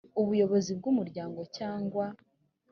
ubuyobozi bw umuryango cyangwa